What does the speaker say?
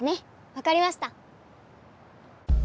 わかりました！